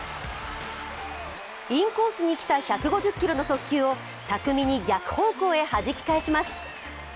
インコースに来た１５０キロの速球を巧みに逆方向へはじき返します。